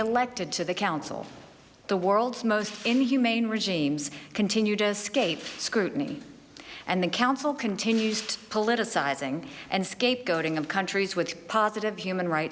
และหลังสหรัฐประกาศถอนตัวจากการเป็นสมาชิก